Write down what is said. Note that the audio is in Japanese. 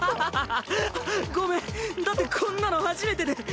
ごめんだってこんなの初めてで。